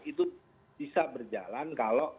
itu bisa berjalan kalau